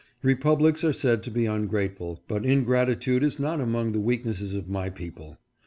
Republics are said to be ungrateful, but ingrati tude is not among the weaknesses of my people.